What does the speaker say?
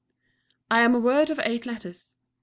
I am a word of 8 letters.